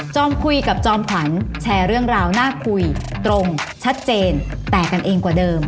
คุยกับจอมขวัญแชร์เรื่องราวน่าคุยตรงชัดเจนแตกกันเองกว่าเดิม